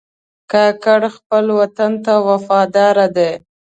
کاکړ خپل وطن ته وفادار دي.